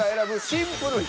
シンプルに。